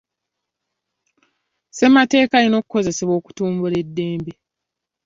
Ssemateeka alina okukozesebwa okutumbula eddembe.